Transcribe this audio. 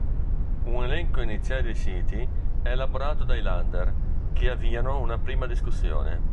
Un elenco iniziale di siti è elaborato dai Länder, che avviano una prima discussione.